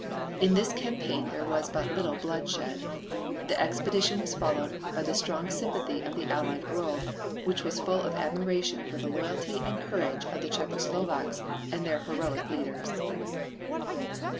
In this campaign there was but little blood shed. The expedition was followed by the strong sympathy of the allied world which was full of admiration for the loyalty and courage of the Czecho Slovaks and their heroic leaders.